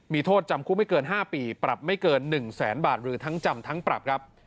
มีโทษจำคุกไม่เกิน๕ปีปรับไม่เกิน๑แสนบาทหรือทั้งจำทั้งปรับครับ